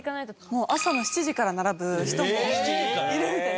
もう朝の７時から並ぶ人もいるみたい。